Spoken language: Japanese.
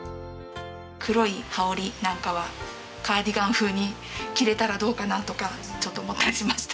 黒い羽織なんかはカーディガン風に着れたらどうかな？とかちょっと思ったりしました。